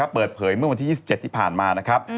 เปิดเผยเมื่อวันที่๒๗ที่ผ่านมานะครับ